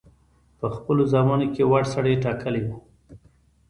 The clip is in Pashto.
په خپلو زامنو کې وړ سړی ټاکلی وو.